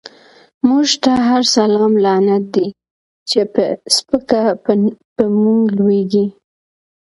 مونږ ته هر سلام لعنت دۍ، چی په سپکه په مونږ لویږی